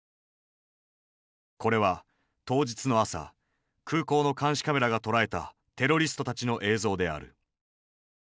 これは当日の朝空港の監視カメラが捉えたテロリストたちの映像である。